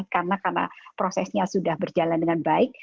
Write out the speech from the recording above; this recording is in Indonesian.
karena prosesnya sudah berjalan dengan baik